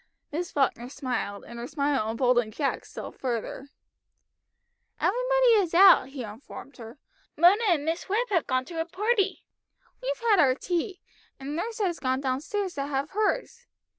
Miss Falkner smiled, and her smile emboldened Jack still further. "Everybody is out," he informed her; "Mona and Miss Webb have gone to a party. We've had our tea, and nurse has gone down stairs to have hers.